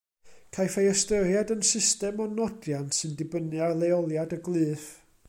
Caiff ei ystyried yn system o nodiant sy'n dibynnu ar leoliad y glyff.